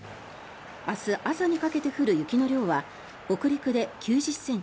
明日朝にかけて降る雪の量は北陸で９０ｃｍ